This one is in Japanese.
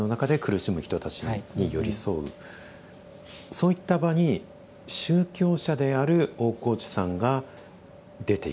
そういった場に宗教者である大河内さんが出ていく関わっていく。